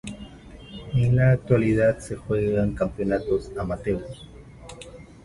En la actualidad se juegan campeonatos amateurs.